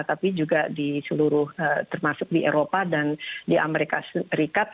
tapi juga di seluruh termasuk di eropa dan di amerika serikat